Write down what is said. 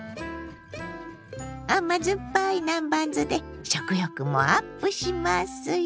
甘酸っぱい南蛮酢で食欲もアップしますよ！